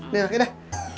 nih rakit dah